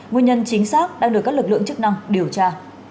nguyên nhân chính xác đang được các lực lượng chức năng điều tra